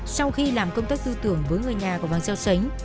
sau khi làm công tắc tư tưởng với người nhà của vàng xeo sánh